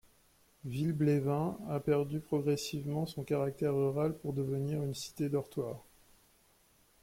Villeblevin a perdu progressivement son caractère rural pour devenir une cité dortoir.